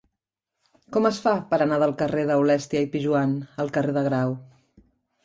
Com es fa per anar del carrer d'Aulèstia i Pijoan al carrer de Grau?